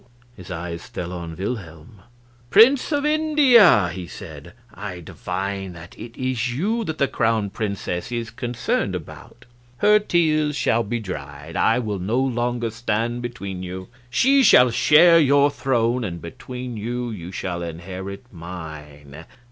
His eyes fell on Wilhelm. "Prince of India," he said, "I divine that it is you that the Crown Princess is concerned about. Her tears shall be dried; I will no longer stand between you; she shall share your throne; and between you you shall inherit mine.